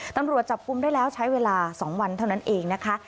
ตำรวจจับกลุ่มได้แล้วใช้เวลา๒วันเท่านั้นเองนะคะ